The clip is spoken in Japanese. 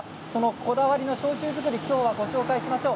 こだわりの焼酎作りをきょうはご紹介しましょう。